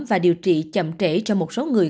và điều trị chậm trễ cho một người